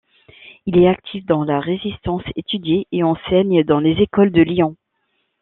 Il est actif dans la Résistance, étudié et enseigne dans les écoles de Lyon.